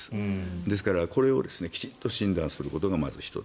ですからこれをきちんと診断することがまず１つ。